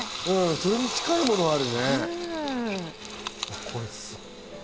それに近いものがあるね。